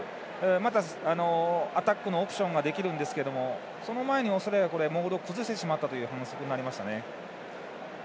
また、アタックのオプションができるんですが、その前にオーストラリアが、モールを崩してしまったという反則になりましたね。